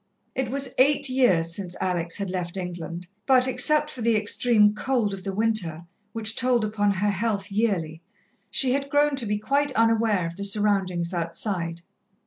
It was eight years since Alex had left England, but, except for the extreme cold of the winter, which told upon her health yearly, she had grown to be quite unaware of the surroundings outside.